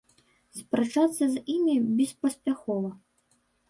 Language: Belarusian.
Спрачацца з імі беспаспяхова.